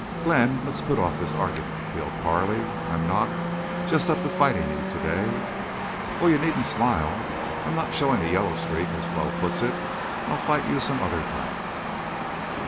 "Glenn, let's put off the argument," appealed Carley. "I'm not—just up to fighting you today. Oh—you needn't smile. I'm not showing a yellow streak, as Flo puts it. I'll fight you some other time."